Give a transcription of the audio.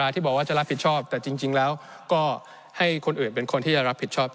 ที่บอกว่าจะรับผิดชอบแต่จริงแล้วก็ให้คนอื่นเป็นคนที่จะรับผิดชอบ